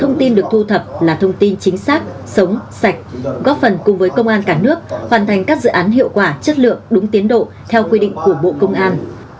góp phần cùng với công an cả nước hoàn thành các dự án hiệu quả chất lượng đúng tiến độ theo quy định của bộ công an